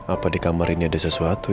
apa di kamar ini ada sesuatu